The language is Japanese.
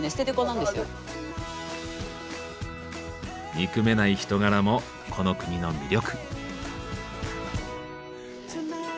憎めない人柄もこの国の魅力。